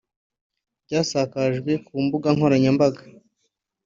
ryasakajwe ku mbuga nkoranyambaga